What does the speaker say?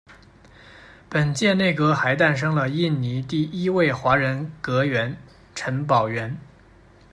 本届内阁还诞生了印尼第一位华人阁员陈宝源。